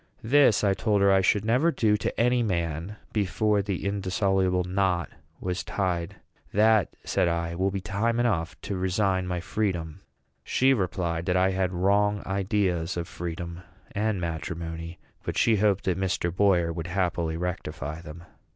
This, I told her, I should never do to any man before the indissoluble knot was tied. "That," said I, "will be time enough to resign my freedom." She replied, that I had wrong ideas of freedom and matrimony; but she hoped that Mr. Boyer would happily rectify them.